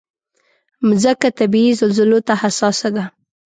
مځکه طبعي زلزلو ته حساسه ده.